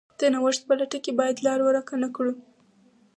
د نوښت په لټه کې باید لار ورکه نه کړو.